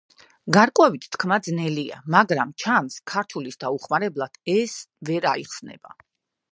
გარკვევით თქმა ძნელია, მაგრამ ჩანს, ქართულის დაუხმარებლად ეს ვერ აიხსნება.